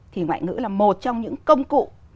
thì ngoại ngữ là một trong những công cụ